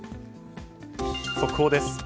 速報です。